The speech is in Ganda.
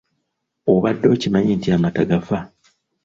Obadde okimanyi nti amata gafa?